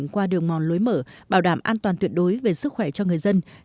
qua đường mòn lối mở bảo đảm an toàn tuyệt đối về sức khỏe cho người dân